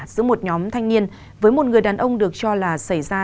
giữa một nhóm thanh niên với một người đàn ông được cho là xảy ra